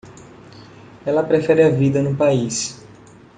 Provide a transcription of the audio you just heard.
Ela prefere a vida no país.